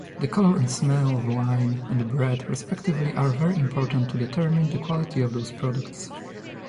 The color and smell of wine and bread respectively are very important to determine the quality of those products.